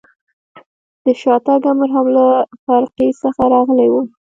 د شاتګ امر هم له فرقې څخه راغلی و.